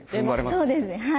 そうですねはい。